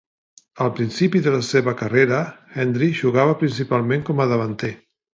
Al principi de la seva carrera, Hendry jugava principalment com a davanter.